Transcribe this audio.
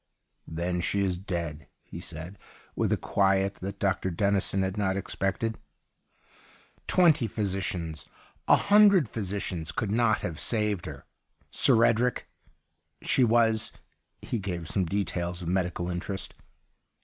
' Then she is dead/ he said, with a quiet that Dr. Dennison had not expected. ' Twenty physicians — a hundred physicians could not have saved her. Sir Edric. She was ' He gave some details of medical interest.